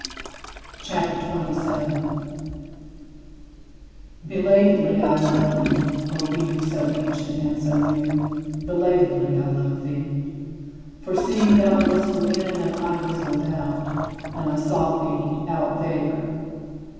CHAPTER XXVII 38. Belatedly I loved thee, O Beauty so ancient and so new, belatedly I loved thee. For see, thou wast within and I was without, and I sought thee out there.